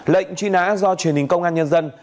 lệnh truy nã do truyền hình công an nhân dân